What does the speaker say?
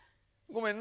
ごめん。